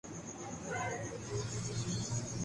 وہ تاریخ میں زندہ رہنا چاہتے ہیں یا اپنے عہد میں؟